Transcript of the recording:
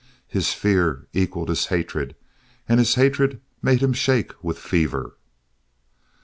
His fear equalled his hatred, and his hatred made him shake with fever.